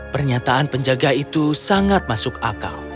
pernyataan penjaga itu sangat masuk akal